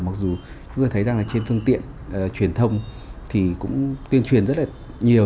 mặc dù chúng tôi thấy rằng là trên phương tiện truyền thông thì cũng tuyên truyền rất là nhiều